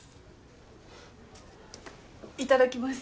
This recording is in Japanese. いただきます。